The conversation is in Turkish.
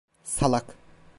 Salak!